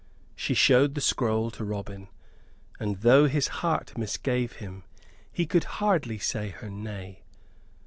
She showed the scroll to Robin, and though his heart misgave him he could hardly say her nay.